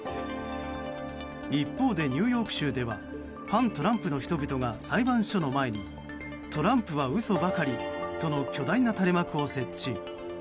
一方でニューヨーク州では反トランプの人々が裁判所の前にトランプは嘘ばかりとの巨大な垂れ幕を設置。